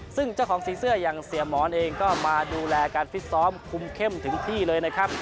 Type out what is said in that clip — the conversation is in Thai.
ซึ่งเจ้าของสีเสื้ออย่างเสียหมอนเองก็มาดูแลการฟิตซ้อมคุมเข้มถึงที่เลยนะครับ